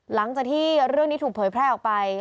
หลังจากที่เรื่องนี้ถูกเผยแพร่ออกไป